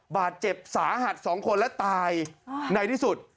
บาดเจ็บสาหัส๒คนและตายในที่สุด